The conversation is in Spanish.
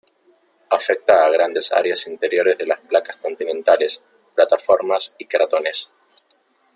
Afecta a grandes áreas interiores de las placas continentales: plataformas y cratones.